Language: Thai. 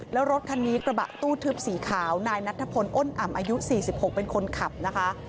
แล้วรถคันนี้กระบะตู้ทึบสีขาวนายนัทพลอ้นอ่ำอายุ๔๖เป็นคนขับนะคะ